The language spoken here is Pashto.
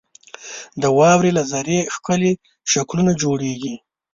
• د واورې له ذرې ښکلي شکلونه جوړېږي.